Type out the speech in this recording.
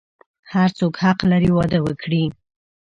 هر څوک حق لری واده وکړی